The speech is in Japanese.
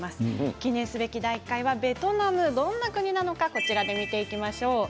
記念すべき第１回はベトナムどんな国なのか見ていきましょう。